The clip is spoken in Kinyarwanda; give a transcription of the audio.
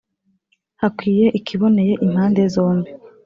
hakwiye ikiboneye impande zombi,